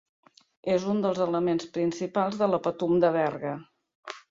És un dels elements principals de la Patum de Berga.